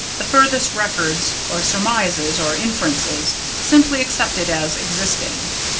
The furthest records or surmises or inferences simply accept it as existing.